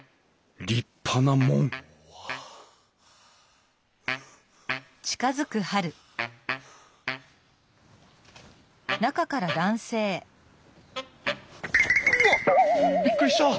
立派な門うわっびっくりした！